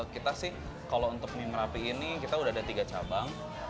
kita sih kalau untuk mie merapi ini kita udah ada tiga cabang